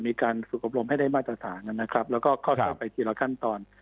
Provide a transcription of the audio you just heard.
มีการฝึกอบรมให้ได้มาตรฐานนะครับแล้วก็เข้าซ่อมไปทีละขั้นตอน